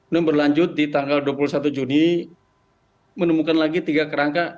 dan berlanjut di tanggal dua puluh satu juni menemukan lagi tiga kerangka